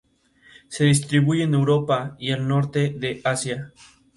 Las cuatro salas restantes albergan la colección permanente del museo.